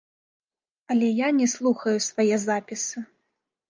Але я не слухаю свае запісы.